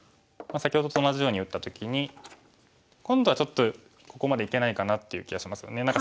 先ほどと同じように打った時に今度はちょっとここまでいけないかなっていう気がしますよね。